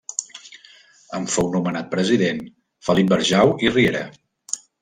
En fou nomenat president Felip Barjau i Riera.